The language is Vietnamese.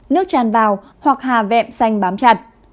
nước tràn vào hoặc hà vẹm xanh bám chặt